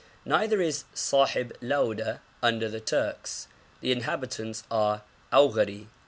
Neither is Sahib Lauda under the Turks; the inhabitants are Augheri.